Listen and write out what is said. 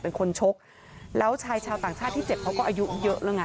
เป็นคนชกแล้วชายชาวต่างชาติที่เจ็บเขาก็อายุเยอะแล้วไง